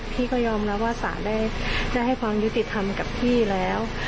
พี่ก็ยอมรับว่าสารได้ให้ความยุติธรรมกับพี่แล้ว